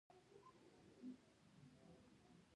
د نوم پښتو کول هیڅ نه بدلوي.